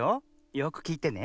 よくきいてね。